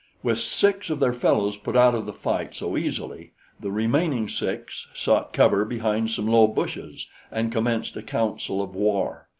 With six of their fellows put out of the fight so easily, the remaining six sought cover behind some low bushes and commenced a council of war.